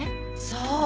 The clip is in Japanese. そう。